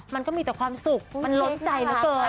มันก็มีแต่ความสุขมันล้นใจเหลือเกิน